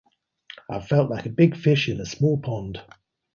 I felt like a big fish in a small pond.